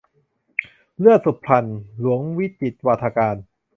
เลือดสุพรรณ - หลวงวิจิตรวาทการ